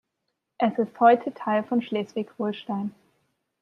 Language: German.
Es ist heute Teil von Schleswig-Holstein.